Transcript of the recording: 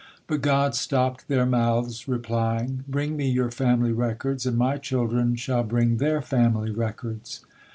But God stopped their mouths, replying: "Bring Me your family records, and My children shall bring their family records."